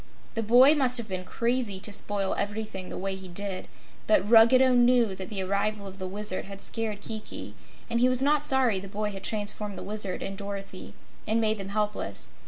The boy must have been crazy to spoil everything the way he did, but Ruggedo knew that the arrival of the Wizard had scared Kiki, and he was not sorry the boy had transformed the Wizard and Dorothy and made them helpless.